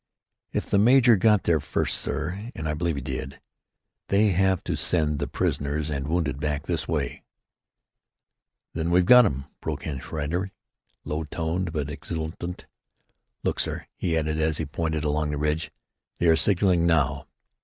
"If the major got there first, sir, and I believe he did, they have to send the prisoners and wounded back this way." "Then we've got 'em!" broke in Schreiber, low toned, but exultant. "Look sir," he added, as he pointed along the range. "They are signalling now."